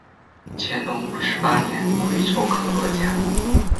乾隆五十八年癸丑科二甲。